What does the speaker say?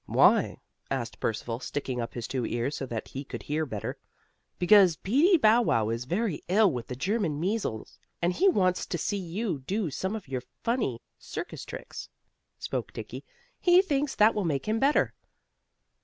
"Why?" asked Percival, sticking up his two ears so that he could hear better. "Because Peetie Bow Wow is very ill with the German measles, and he wants to see you do some of your funny circus tricks," spoke Dickie. "He thinks that will make him better."